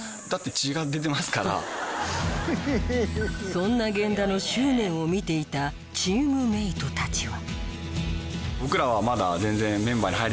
そんな源田の執念を見ていたチームメイトたちは。